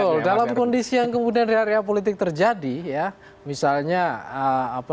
betul dalam kondisi yang kemudian riak riak politik terjadi ya